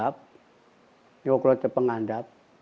itu akan terpengandap